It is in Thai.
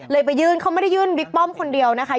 ไปยื่นเขาไม่ได้ยื่นบิ๊กป้อมคนเดียวนะคะ